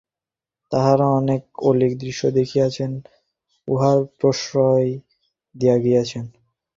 তাঁহারা অনেক অলীক দৃশ্য দেখিয়াছেন ও উহার প্রশ্রয় দিয়া গিয়াছেন।